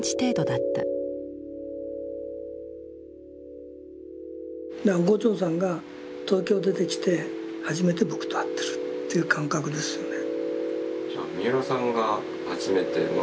だから牛腸さんが東京出てきて初めて僕と会ってるっていう感覚ですよね。